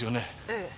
ええ。